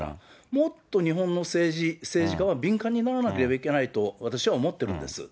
もっと日本の政治、政治家は敏感にならなければいけないと、私は思ってるんです。